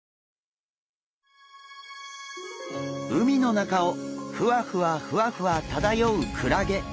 海の中をふわふわふわふわ漂うクラゲ。